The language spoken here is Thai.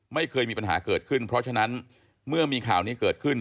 ไม่เคยมีปัญหาเกิดขึ้นเพราะฉะนั้นเมื่อมีข่าวนี้เกิดขึ้น